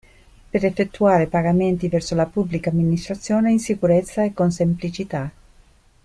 Per effettuare pagamenti verso la Pubblica Amministrazione in sicurezza e con semplicità.